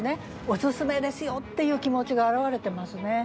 オススメですよっていう気持ちが表れてますね。